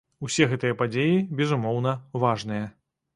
Усе гэтыя падзеі, безумоўна, важныя.